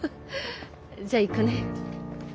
じゃあ行くね。